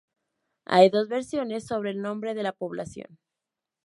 Hay dos versiones sobre el nombre de la población.